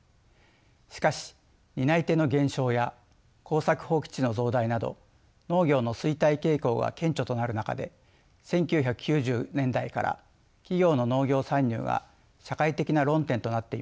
しかし担い手の減少や耕作放棄地の増大など農業の衰退傾向が顕著となる中で１９９０年代から企業の農業参入が社会的な論点となっていました。